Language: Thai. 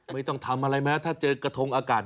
ไม่ต้องทำอะไรแม้ถ้าเจอกระทงอากาศ